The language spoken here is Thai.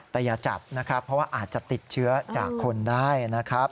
แต่อย่าจับนะครับเพราะว่าอาจจะติดเชื้อจากคนได้นะครับ